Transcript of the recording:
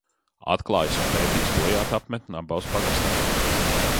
Atklājis un pētījis Tojātu apmetni Abavas pagastā.